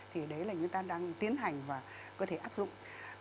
thì đấy là chúng ta đang tiến hành và có thể áp dụng